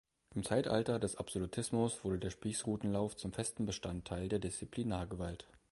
Im Zeitalter des Absolutismus wurde der Spießrutenlauf zum festen Bestandteil der Disziplinargewalt.